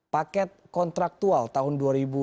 paket kontraktual tahun dua ribu delapan belas